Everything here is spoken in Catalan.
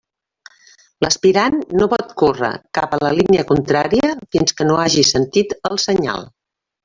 L'aspirant no pot córrer cap a la línia contrària fins que no hagi sentit el senyal.